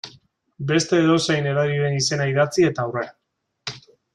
Beste edozein edariren izena idatzi, eta aurrera.